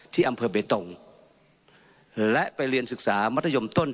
ที่อำเภอเบตงและไปเรียนศึกษามัธยมต้น